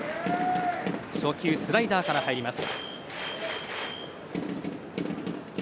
初球スライダーから入ります。